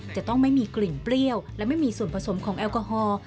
จะต้องไม่มีกลิ่นเปรี้ยวและไม่มีส่วนผสมของแอลกอฮอล์